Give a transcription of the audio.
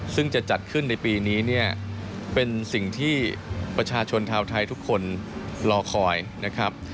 ซึ่งจะจัดขึ้นในปีนี้เนี่ยเป็นสิ่งที่ประชาชนชาวไทยทุกคนรอคอยนะครับ